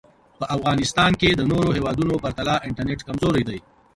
په افغانیستان کې د نورو هېوادونو پرتله انټرنټ کمزوری دی